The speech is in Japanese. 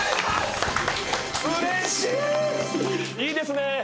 いいですね。